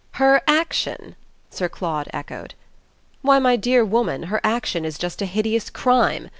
"Her action?" Sir Claude echoed. "Why, my dear woman, her action is just a hideous crime.